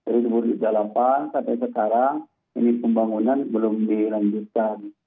dari dua ribu tiga puluh delapan sampai sekarang ini pembangunan belum dilanjutkan